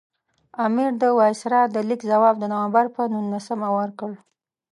امیر د وایسرا د لیک ځواب د نومبر پر نولسمه ورکړ.